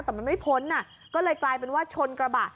แต่มันไม่พ้นก็เลยกลายเป็นว่าชนกระบะ